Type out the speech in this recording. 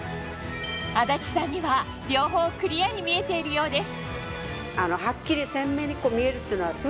安達さんには両方クリアに見えているようです